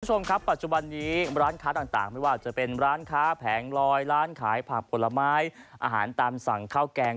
คุณผู้ชมครับปัจจุบันนี้ร้านค้าต่างไม่ว่าจะเป็นร้านค้าแผงลอยร้านขายผักผลไม้อาหารตามสั่งข้าวแกง